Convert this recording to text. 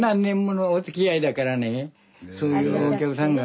皆さんそういうお客さんが。